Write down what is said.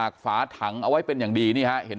กลุ่มตัวเชียงใหม่